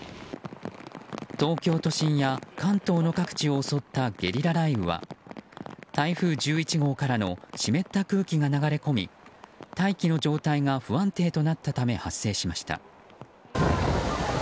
東京都心や関東の各地を襲ったゲリラ雷雨は台風１１号からの湿った空気が流れ込み大気の状態が不安定となったため発生しました。